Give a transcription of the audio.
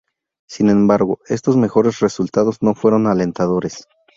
Sin embargo, estos mejores resultados no fueron alentadores.